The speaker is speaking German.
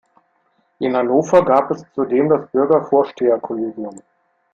In Hannover gab es zudem das Bürgervorsteherkollegium.